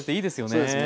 そうですね。